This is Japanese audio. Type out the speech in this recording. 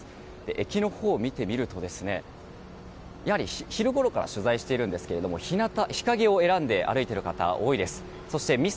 駅のほう、見てみるとやはり昼ごろから取材していますが日陰を選んで歩いている方が多いです。